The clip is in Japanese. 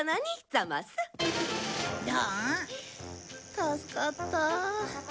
助かった。